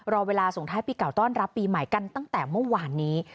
รอเวลาส่งท้ายปีเก่าต้อนรับปีใหม่กันตั้งแต่เมื่อวานนี้